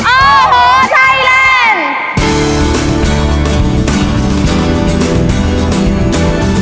โอ้โหไทยแลนด์